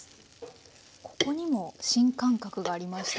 ここにも新感覚がありました。